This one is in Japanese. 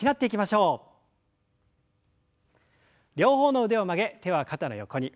両方の腕を曲げ手は肩の横に。